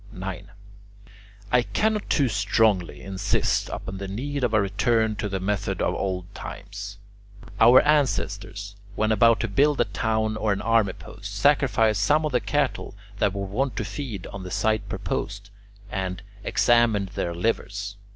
9. I cannot too strongly insist upon the need of a return to the method of old times. Our ancestors, when about to build a town or an army post, sacrificed some of the cattle that were wont to feed on the site proposed and examined their livers.